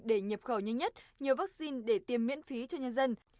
để nhập khẩu nhanh nhất nhiều vaccine để tiêm miễn phí cho nhân dân